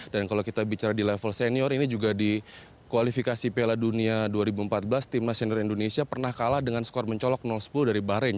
dan kalau kita bicara di level senior ini juga di kualifikasi piala dunia dua ribu empat belas timnas senior indonesia pernah kalah dengan skor mencolok sepuluh dari bahrain